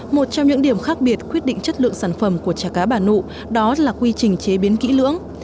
một trong những điểm khác biệt quyết định chất lượng sản phẩm của trà cá bà nụ đó là quy trình chế biến kỹ lưỡng